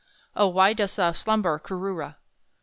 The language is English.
Oh, why dost thou slumber, Kooroora?